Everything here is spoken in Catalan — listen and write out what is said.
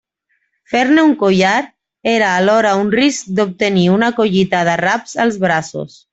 Fer-ne un collar era alhora un risc d'obtenir una collita d'arraps als braços.